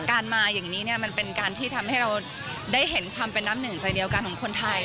การมาอย่างนี้มันเป็นการที่ทำให้เราได้เห็นความเป็นน้ำหนึ่งใจเดียวกันของคนไทย